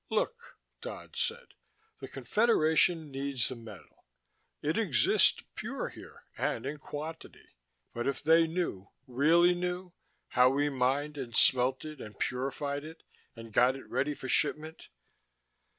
"Look," Dodd said. "The Confederation needs the metal. It exists pure here, and in quantity. But if they knew, really knew, how we mined and smelted and purified it and got it ready for shipment...."